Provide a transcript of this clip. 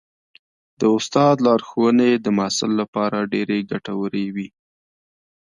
د استاد لارښوونې د محصل لپاره ډېرې ګټورې وي.